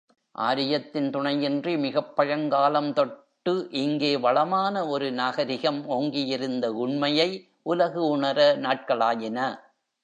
ஆரியத்தின் துணையின்றி மிகப்பழங்காலந்தொட்டு இங்கே வளமான ஒரு நாகரிகம் ஓங்கியிருந்த உண்மையை, உலகு உணர நாட்களாயின.